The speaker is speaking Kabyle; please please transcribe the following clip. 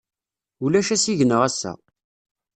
Ulac asigna ass-a.